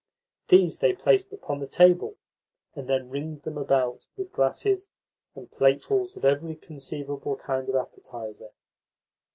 These they placed upon the table, and then ringed them about with glasses and platefuls of every conceivable kind of appetiser.